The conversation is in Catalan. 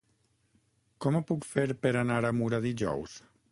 Com ho puc fer per anar a Mura dijous?